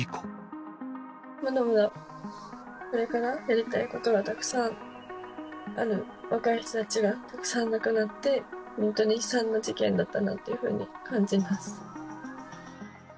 まだまだこれから、やりたいことがたくさんある、若い人たちがたくさん亡くなって、本当に悲惨な事件だったなというふうに感じます。